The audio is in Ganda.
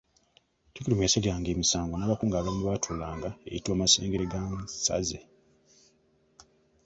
Katikkiro mwe yasaliranga emisango n’abakungu abalala mwe baatuulanga eyitibwa Masengeregansaze.